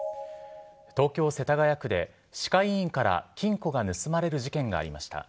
東京・世田谷区で、歯科医院から金庫が盗まれる事件がありました。